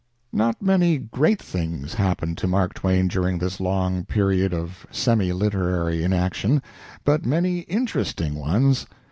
Not many great things happened to Mark Twain during this long period of semi literary inaction, but many interesting ones.